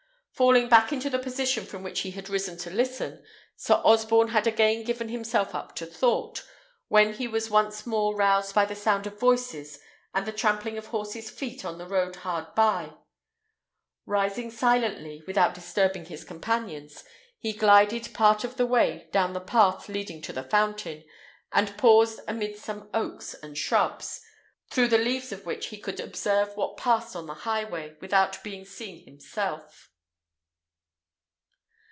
Falling back into the position from which he had risen to listen, Sir Osborne had again given himself up to thought, when he was once more roused by the sound of voices and the trampling of horses' feet on the road hard by. Rising silently, without disturbing his companions, he glided part of the way down the path leading to the fountain, and paused amidst some oaks and shrubs, through the leaves of which he could observe what passed on the highway, without being seen himself.